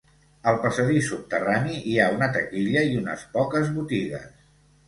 Al passadís subterrani hi ha una taquilla i unes poques botigues.